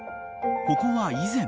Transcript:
［ここは以前］